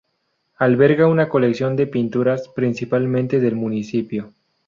Alberga una colección de pinturas, principalmente del municipio.